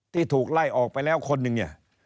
ที่ถูกไล่ออกไปแล้วคนหนึ่งเนี่ย